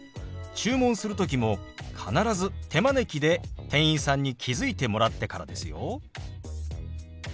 注文する時も必ず手招きで店員さんに気付いてもらってからですよ。